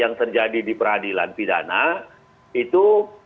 yang terjadi di peradilan pidana itu